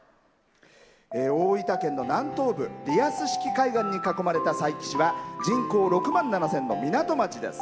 大分県の南東部リアス式海岸に囲まれた佐伯市は人口６万４０００人の港町です。